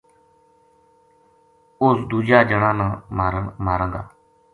اس دوجا جنا نا ماراں گا